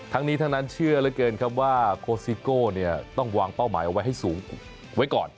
ทั้งนี้ทั้งนั้นเชื่อเหลือเกินครับว่าโคสิโก้ต้องวางเป้าหมายเอาไว้ให้สูงไว้ก่อน